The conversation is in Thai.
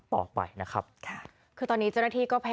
และความสุขของคุณค่ะ